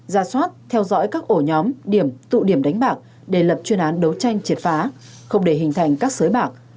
ra soát theo dõi các ổ nhóm điểm tụ điểm đánh bạc để lập chuyên án đấu tranh triệt phá không để hình thành các sới bạc